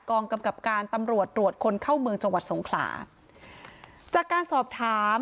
กำกับการตำรวจตรวจคนเข้าเมืองจังหวัดสงขลาจากการสอบถาม